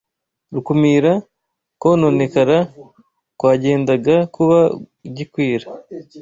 rukumira kononekara kwagendaga kuba gikwira